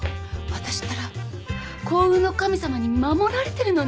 私ったら幸運の神様に守られてるのね。